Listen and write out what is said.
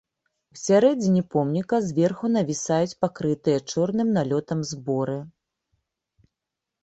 Усярэдзіне помніка зверху навісаюць пакрытыя чорным налётам зборы.